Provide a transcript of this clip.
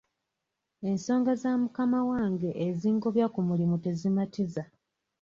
Ensonga za mukama wange ezingobya ku mulimu tezimatiza.